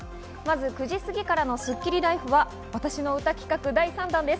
９時過ぎからのスッキリＬＩＦＥは私の歌企画、第３弾です。